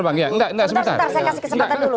sebentar saya kasih kesempatan dulu